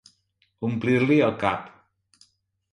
Omplir-li el cap.